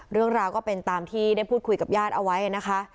เรื่องราวก็เป็นตามที่ได้พูดคุยกับญาติเอาไว้นะคะ